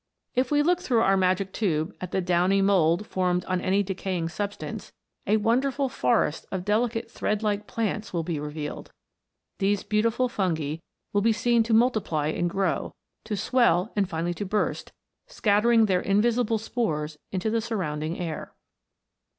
If we look through our magic tube at the downy mould formed upon any decaying substance, a wonderful forest of deli cate thread like plants will be revealed. These beautiful fungi will be seen to multiply and grow, to swell and finally to burst, scattering their invi sible spores into the surrounding air.